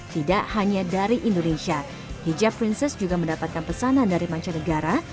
tidak hanya dari indonesia hijab prinsip juga mendapatkan pesanan dari manca negara